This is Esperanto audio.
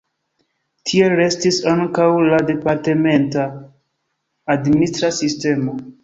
Tiel restis ankaŭ la departementa administra sistemo.